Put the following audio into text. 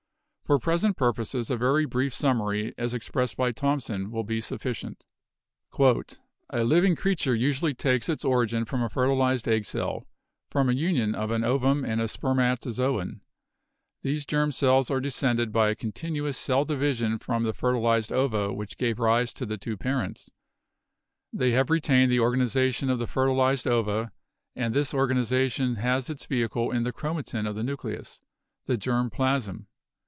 For present purposes a very brief summary as expressed by Thomson will be sufficient. "A living creature usually takes its origin from a fer tilized egg cell, from a union of an ovum and a spermato zoon. These germ cells are descended by a continuous cell division from the fertilized ova which gave rise to the two parents; they have retained the organization of the fertilized ova, and this organization has its vehicle in the chromatin of the nucleus — the germ plasm.